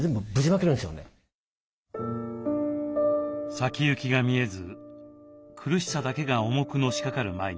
先行きが見えず苦しさだけが重くのしかかる毎日。